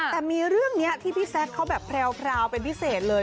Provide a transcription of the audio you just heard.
แต่มีเรื่องนี้ที่พี่แซคเขาแบบแพรวเป็นพิเศษเลย